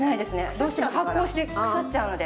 どうしても発酵して腐っちゃうので。